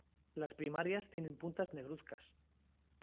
La primarias tienen puntas negruzcas.